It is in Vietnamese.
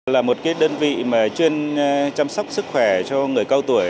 là một đơn vị mà chuyên chăm sóc sức khỏe cho người cao tuổi